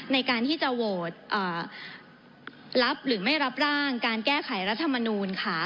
ในการที่จะโหวตรับหรือไม่รับร่างการแก้ไขรัฐมนูลค่ะ